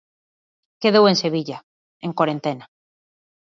Quedou en Sevilla, en corentena.